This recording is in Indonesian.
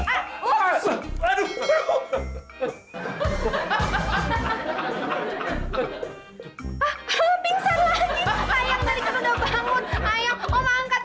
aduh diangkat diangkat diangkat